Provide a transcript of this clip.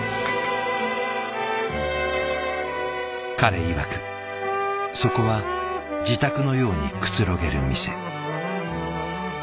彼いわくそこは自宅のようにくつろげる店。